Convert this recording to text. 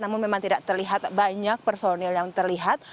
namun memang tidak terlihat banyak personil yang terlihat